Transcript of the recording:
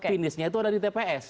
finishnya itu ada di tps